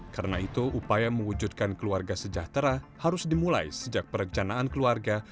karena itu upaya mewujudkan keluarga sejahtera harus dimulai sejak perencanaan keluarga